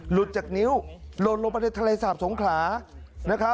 หลุดจากนิ้วหล่นลงไปในทะเลสาบสงขลา